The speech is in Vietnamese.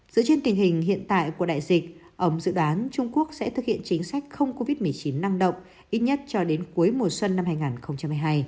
dựa trên tình hình hiện tại của đại dịch ông dự đoán trung quốc sẽ thực hiện chính sách không covid một mươi chín năng động ít nhất cho đến cuối mùa xuân năm hai nghìn hai mươi hai